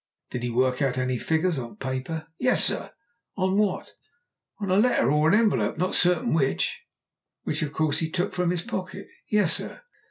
Did he work out any figures on paper?" "Yes, sir." "On what?" "On a letter or envelope; I'm not certain which." "Which of course he took from his pocket?" "Yes, sir."